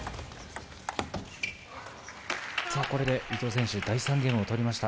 これで伊藤選手、第３ゲームを取りました。